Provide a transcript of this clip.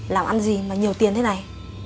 làm ăn gì mà nhiều tiền thế này